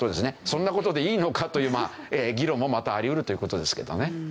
そんな事でいいのかというまあ議論もまたあり得るという事ですけどね。